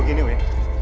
jangan begini win